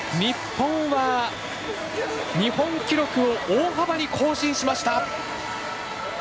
日本は、日本記録を大幅に更新しました。